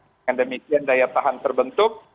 dan demikian daya tahan terbentuk